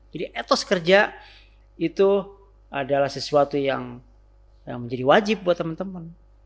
jadi etos kerja itu adalah sesuatu yang menjadi wajib buat teman teman